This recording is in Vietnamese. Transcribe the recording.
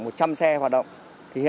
nhiều doanh nghiệp vẫn đang phải chi trả